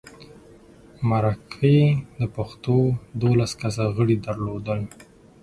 مرکه د پښتو دولس کسه غړي درلودل.